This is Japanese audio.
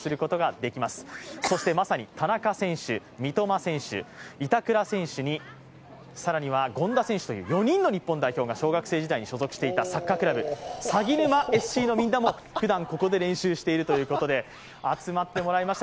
そして、まさに田中選手、三笘選手、板倉選手に更には権田選手という４人の日本代表が小学生時代に所属していたサッカークラブ、さぎぬまＳＣの皆さんもふだんこちらで練習しているということで集まってもらいました。